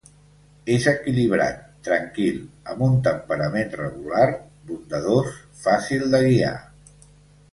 És equilibrat, tranquil, amb un temperament regular, bondadós, fàcil de guiar.